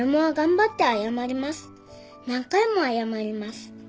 「何回も謝ります」